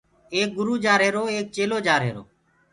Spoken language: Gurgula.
ايڪ گرُو جآرهيرو ايڪ چيلهو جآرهيرو۔